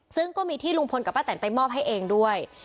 ซึ่งก็มีที่ลุงพลกับป้าแตนไปมอบให้เองด้วย